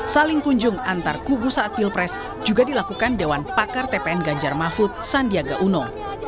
saling kunjung antar kubu saat pilpres juga dilakukan dewan pakar tpn ganjar mahfud sandiaga uno